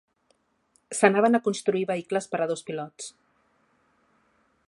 S'anaven a construir vehicles per a dos pilots.